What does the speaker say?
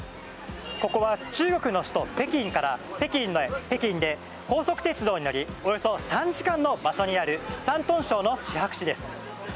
ここは中国の首都・北京から高速鉄道に乗りおよそ３時間の場所にある山東省のシハク市です。